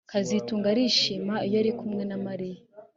kazitunga arishima iyo ari kumwe na Mariya